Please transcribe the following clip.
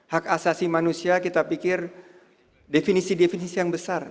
hak asasi manusia kita pikir definisi definisi yang besar